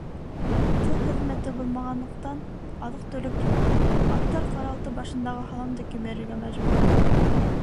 Тыл хеҙмәте булмағанлыҡтан, аҙыҡ-түлек юҡ, аттар ҡаралты башындағы һаламды кимерергә мәжбүр.